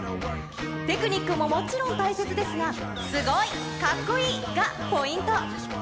テクニックももちろん大切ですが、すごい、かっこいいがポイント。